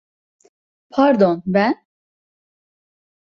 Pardon, ben…